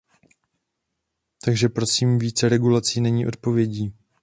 Takže prosím, více regulace není odpovědí.